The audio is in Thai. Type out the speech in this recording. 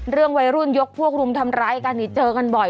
วัยรุ่นยกพวกรุมทำร้ายกันนี่เจอกันบ่อย